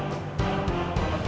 bapak juga bisa